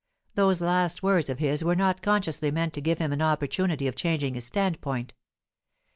Those last words of his were not consciously meant to give him an opportunity of changing his standpoint.